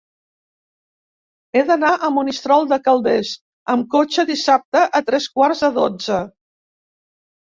He d'anar a Monistrol de Calders amb cotxe dissabte a tres quarts de dotze.